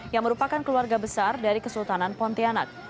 yang merupakan keluarga besar dari kesultanan pontianak